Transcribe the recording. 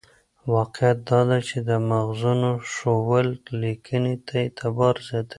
واقعیت دا دی چې د ماخذونو ښوول لیکنې ته اعتبار زیاتوي.